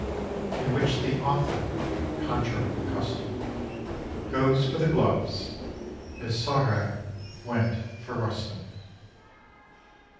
IV. _In which the author, contrary to custom, Goes for the gloves as Sohrab went for Rustum.